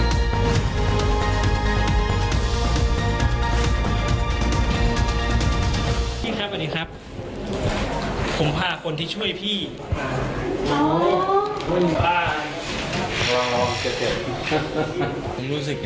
อันดิข้อมีว่าข้าขอมาลงท่าเมื่อเราหมอโถงถ่าหน้า